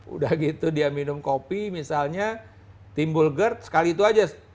udah gitu dia minum kopi misalnya timbul gerd sekali itu aja